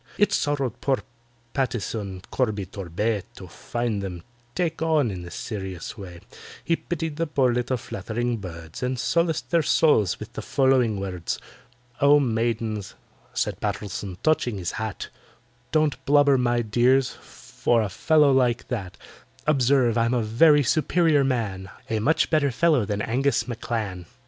It sorrowed poor PATTISON CORBY TORBAY To find them "take on" in this serious way; He pitied the poor little fluttering birds, And solaced their souls with the following words: "Oh, maidens," said PATTISON, touching his hat, "Don't blubber, my dears, for a fellow like that; Observe, I'm a very superior man, A much better fellow than ANGUS M'CLAN."